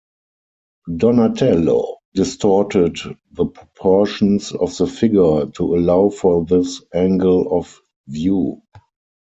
Donatello distorted the proportions of the figure to allow for this angle of view.